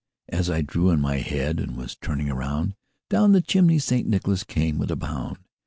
As I drew in my head, and was turning around, Down the chimney St. Nicholas came with a bound.